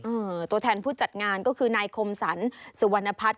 ตัวแทนผู้จัดงานก็คือนายคมสรรสุวรรณพัฒน์